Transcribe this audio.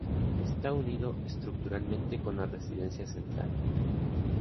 Está unido estructuralmente con la residencia central.